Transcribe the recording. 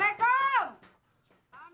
bang ada pembunuh ketutupan